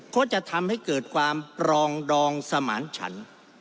ก็จะทำให้เกิดความปรองดองสมานฉัน